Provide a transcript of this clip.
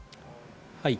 はい。